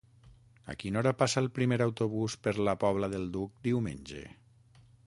A quina hora passa el primer autobús per la Pobla del Duc diumenge?